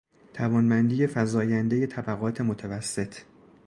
توانمندی فزایندهی طبقات متوسط